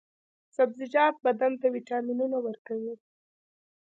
سبزیجات بدن ته ویټامینونه ورکوي.